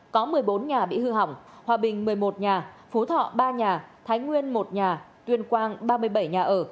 có một mươi bốn nhà bị hư hỏng hòa bình một mươi một nhà phú thọ ba nhà thái nguyên một nhà tuyên quang ba mươi bảy nhà ở